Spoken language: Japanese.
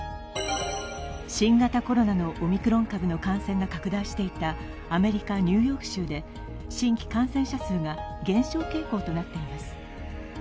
新型コロナのオミクロン株の感染が拡大していたアメリカ・ニューヨーク州で、新規感染者数が減少傾向となっています。